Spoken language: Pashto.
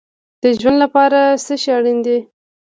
د ژوند لپاره څه شی اړین دی؟